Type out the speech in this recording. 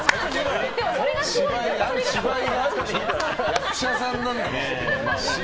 役者さんなんだから。